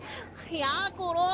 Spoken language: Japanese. やころ。